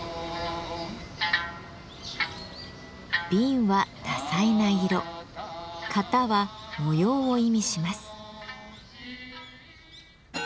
「紅」は多彩な色「型」は模様を意味します。